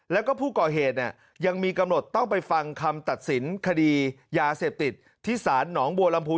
แล้วก็ผู้ก่อเหตุยังมีกำหนดต้องไปฟังคำตัดสินคดียาเสพติดที่ศาลหนองบัวลำพู